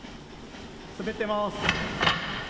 滑ってます。